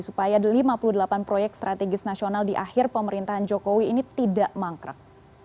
supaya lima puluh delapan proyek strategis nasional di akhir pemerintahan jokowi ini tidak mangkrak